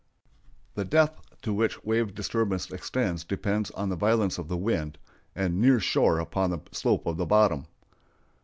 The depth to which wave disturbance extends depends on the violence of the wind, and near shore upon the slope of the bottom.